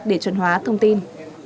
để chuẩn hóa thông tin